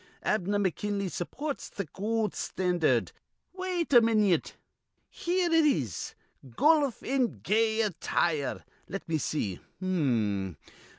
Abner McKinley supports th' goold standard. Wait a minyit. Here it is: 'Goluf in gay attire.' Let me see. H'm.